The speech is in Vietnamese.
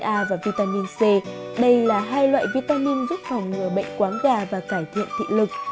a và vitamin c đây là hai loại vitamin giúp phòng ngừa bệnh quáng gà và cải thiện thị lực